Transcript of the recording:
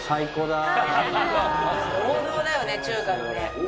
王道だよね中華のね。